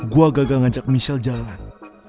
gue gagal ngajak michelle jalan